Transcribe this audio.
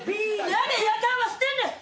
なべやかんはしてんねん‼